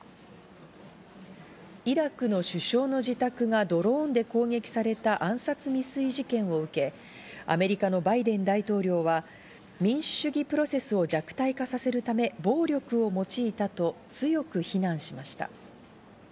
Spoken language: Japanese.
イラクの首相の自宅がドローンで攻撃された暗殺未遂事件を受け、アメリカのバイデン大統領は民主主義プロセスを弱体化させるため、暴力を用いたと強く非難しました。